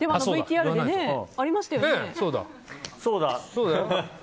そうだ。